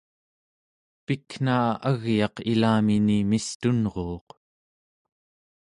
pikna agyaq ilamini mistunruuq